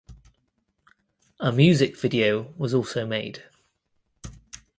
A music video was also made.